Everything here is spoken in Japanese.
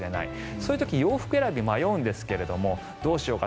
そういう時洋服選び迷うんですがどうしようか。